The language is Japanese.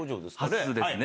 初ですね。